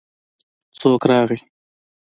څوک راغی.